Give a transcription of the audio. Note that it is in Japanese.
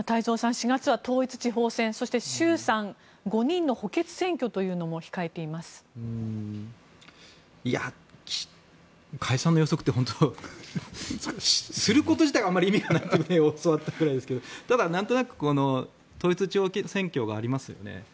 ４月は統一地方選挙衆参５人の補欠選挙というのも解散の予測ってすること自体があまり意味がないと教わったぐらいですがただ、なんとなく統一地方選挙がありますよね。